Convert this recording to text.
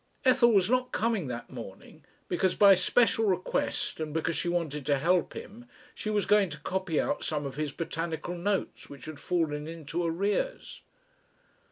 Ethel was not coming that morning, because by special request and because she wanted to help him she was going to copy out some of his botanical notes which had fallen into arrears.